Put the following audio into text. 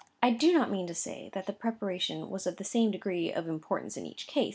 I do not mean to say that the preparation was of the same degree of importance in each case.